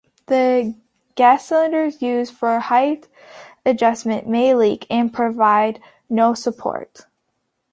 The gas cylinder used for height adjustment may leak and provide no support.